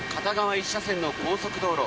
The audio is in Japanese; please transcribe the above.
１車線の高速道路